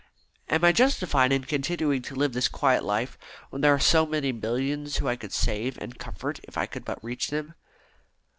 Am I justified in continuing to live this quiet life when there are so many millions whom I might save and comfort if I could but reach them?"